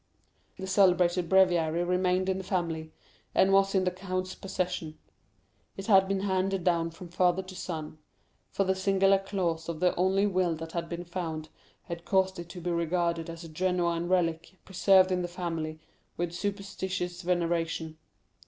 The celebrated breviary remained in the family, and was in the count's possession. It had been handed down from father to son; for the singular clause of the only will that had been found, had caused it to be regarded as a genuine relic, preserved in the family with superstitious veneration.